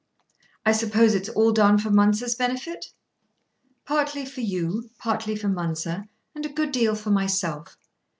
"I suppose it's all done for Mounser's benefit?" "Partly for you, partly for Mounser, and a good deal for myself.